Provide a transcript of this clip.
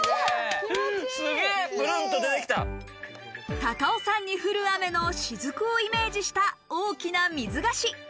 高尾山に降る雨の雫をイメージした大きな水菓子。